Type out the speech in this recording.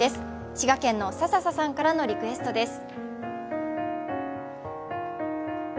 滋賀県のささささんからのリクエストです。